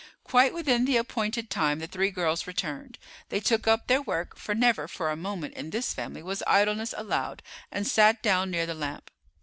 Quite within the appointed time the three girls returned. They took up their work, for never for a moment in this family was idleness allowed, and sat down near the lamp.